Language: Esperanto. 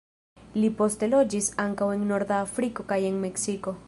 Li poste loĝis ankaŭ en norda Afriko kaj en Meksiko.